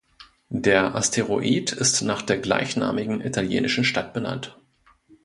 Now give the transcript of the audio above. Der Asteroid ist nach der gleichnamigen italienischen Stadt benannt.